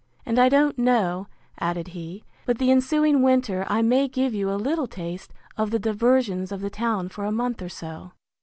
And I don't know, added he, but the ensuing winter I may give you a little taste of the diversions of the town for a month or so.